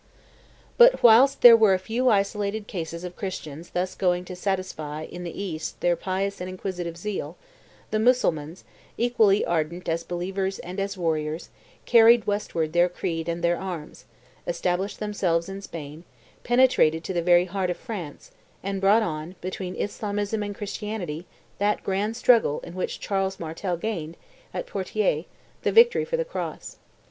But whilst there were a few isolated cases of Christians thus going to satisfy in the East their pious and inquisitive zeal, the Mussulmans, equally ardent as believers and as warriors, carried Westward their creed and their arms, established themselves in Spain, penetrated to the very heart of France, and brought on, between Islamism and Christianity, that grand struggle in which Charles Martel gained, at Poitiers, the victory for the Cross.